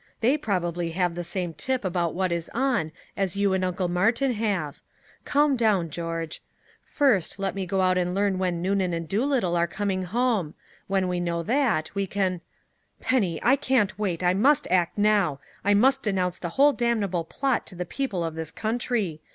"They probably have the same tip about what is on as you and Uncle Martin have! Calm down, George! First, let me go out and learn when Noonan and Doolittle are coming home! When we know that, we can " "Penny, I can't wait. I must act now. I must denounce the whole damnable plot to the people of this country.